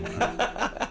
ハハハハハ！